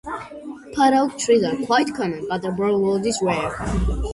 Padauk trees are quite common but burl wood is rare.